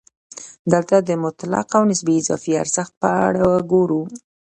دلته د مطلق او نسبي اضافي ارزښت په اړه ګورو